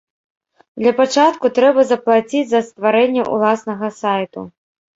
Для пачатку трэба заплаціць за стварэнне ўласнага сайту.